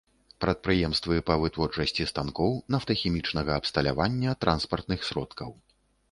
Прадпрыемствы па вытворчасці станкоў, нафтахімічнага абсталявання, транспартных сродкаў.